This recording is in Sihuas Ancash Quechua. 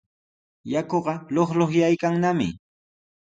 Yakuqa luqluqyaykannami.